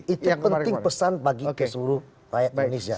itu penting pesan bagi seluruh rakyat indonesia